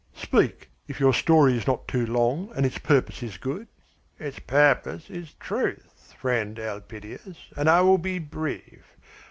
"Speak, if your story is not too long and its purpose is good." "Its purpose is truth, friend Elpidias, and I will be brief.